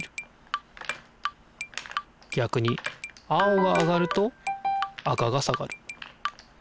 逆に青が上がると赤が下がる。